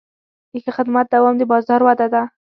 د ښه خدمت دوام د بازار وده ده.